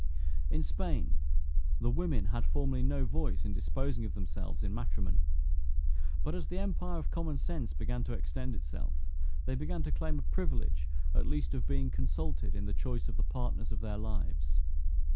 In Spain, the women had formerly no voice in disposing of themselves in matrimony. But as the empire of common sense began to extend itself, they began to claim a privilege, at least of being consulted in the choice of the partners of their lives.